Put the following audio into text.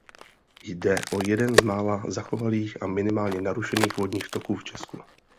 Jde o jeden z mála zachovalých a minimálně narušených vodních toků v Česku.